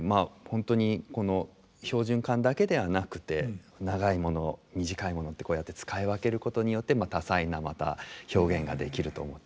本当にこの標準管だけではなくて長いもの短いものってこうやって使い分けることによって多彩なまた表現ができると思ってます。